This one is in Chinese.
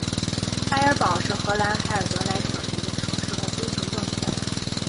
埃尔堡是荷兰海尔德兰省的一个城市和基层政权。